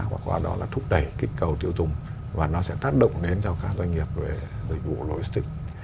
và qua đó là thúc đẩy kích cầu tiêu dùng và nó sẽ tác động đến cho các doanh nghiệp về dịch vụ logistics